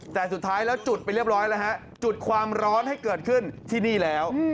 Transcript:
แต่สุดท้ายแล้วจุดไปเรียบร้อยแล้วฮะจุดความร้อนให้เกิดขึ้นที่นี่แล้ว